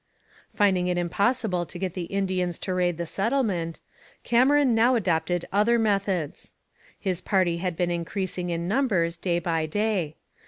Finding it impossible to get the Indians to raid the settlement, Cameron now adopted other methods. His party had been increasing in numbers day by day.